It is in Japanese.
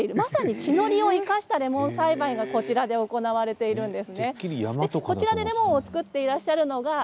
まさに地の利を生かしたレモン栽培がこちらで行われているんです。